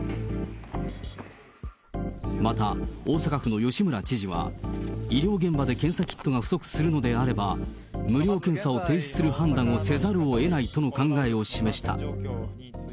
また大阪府の吉村知事は、医療現場で検査キットが不足するのであれば、無料検査を停止する判断をせざるをえないとの考えを示した。